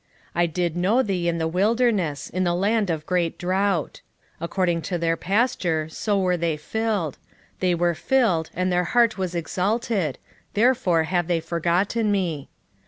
13:5 I did know thee in the wilderness, in the land of great drought. 13:6 According to their pasture, so were they filled; they were filled, and their heart was exalted; therefore have they forgotten me.